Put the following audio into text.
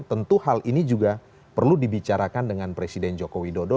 tentu hal ini juga perlu dibicarakan dengan presiden joko widodo